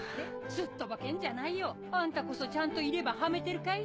すっとぼけんじゃないよあんたこそちゃんと入れ歯はめてるかい？